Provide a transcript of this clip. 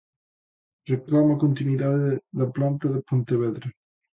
Reclaman a continuidade da planta de Pontevedra.